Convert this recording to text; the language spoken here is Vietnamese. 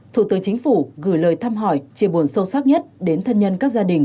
thủ tướng chính phủ gửi lời thăm hỏi chia buồn sâu sắc nhất đến thân nhân các gia đình